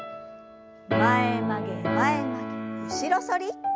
前曲げ前曲げ後ろ反り。